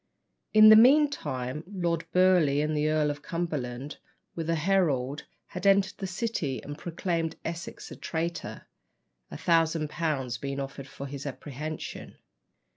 In the meantime Lord Burleigh and the Earl of Cumberland, with a herald, had entered the City and proclaimed Essex a traitor; a thousand pounds being offered for his apprehension.